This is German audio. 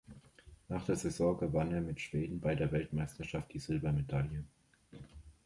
Nach der Saison gewann er mit Schweden bei der Weltmeisterschaft die Silbermedaille.